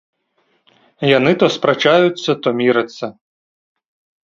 Яны то спрачаюцца, то мірацца.